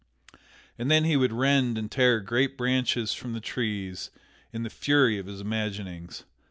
And then he would rend and tear great branches from the trees in the fury of his imaginings.